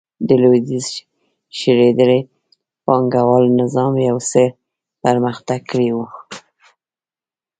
د لوېدیځ شړېدلي پانګوال نظام یو څه پرمختګ کړی و.